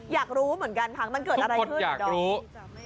อยากรู้เหมือนกันค่ะมันเกิดอะไรขึ้นดอม